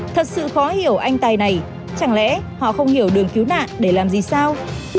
thật sự khó hiểu anh tài này chẳng lẽ họ không hiểu đường cứu nạn để làm gì sao